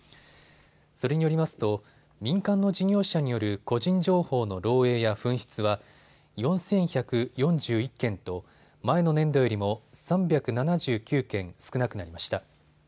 それによりますと民間の事業者による個人情報の漏えいや紛失は４１４１件と前の年度よりも３７９件少なくなりました。